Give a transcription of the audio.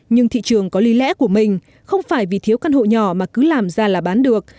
nhưng thị trường có lý lẽ của mình không phải vì thiếu căn hộ nhỏ mà cứ làm ra là bán được